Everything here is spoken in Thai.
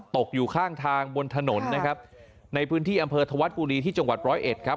ตกอยู่ข้างทางบนถนนนะครับในพื้นที่อำเภอธวัดบุรีที่จังหวัดร้อยเอ็ดครับ